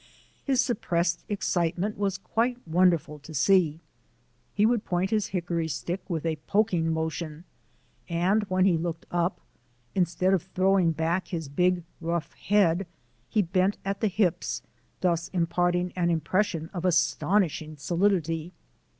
His suppressed excitement was quite wonderful to see. He would point his hickory stick with a poking motion, and, when he looked up, instead of throwing back his big, rough head, he bent at the hips, thus imparting an impression of astonishing solidity.